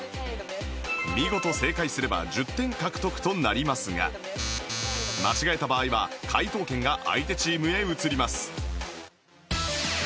見事正解すれば１０点獲得となりますが間違えた場合は解答権が相手チームへ移ります